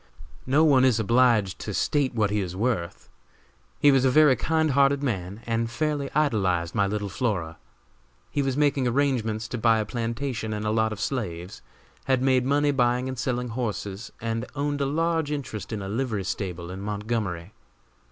No one is obliged to state what he is worth. He was a very kind hearted man and fairly idolized my little Flora. He was making arrangements to buy a plantation and a lot of slaves; had made money buying and selling horses, and owned a large interest in a livery stable in Montgomery.